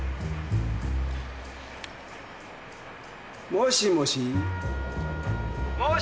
もしもし？もしもし？